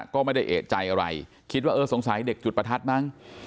ก็ไม่ได้เอกใจอะไรคิดว่าเออสงสัยเด็กจุดประทัดมั้ง